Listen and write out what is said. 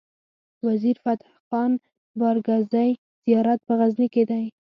وزیر فتح خان بارګزی زيارت په غزنی کی دی